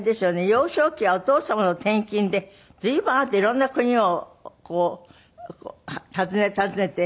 幼少期はお父様の転勤で随分あなたいろんな国をこう訪ね訪ねて。